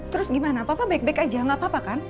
terus gimana papa baik baik aja gak apa apa kan